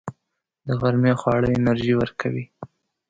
د غرمې خواړه انرژي ورکوي